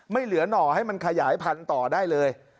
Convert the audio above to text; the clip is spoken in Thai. เหลือหน่อให้มันขยายพันธุ์ต่อได้เลย